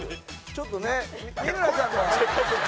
ちょっとね三村さんが。